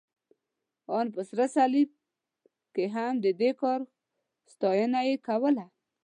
ان په سره صلیب کې هم، د دې کار ستاینه یې کوله.